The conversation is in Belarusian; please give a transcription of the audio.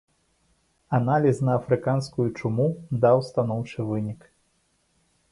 Аналіз на афрыканскую чуму даў станоўчы вынік.